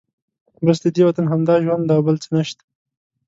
بس ددې وطن همدا ژوند دی او بل څه نشته.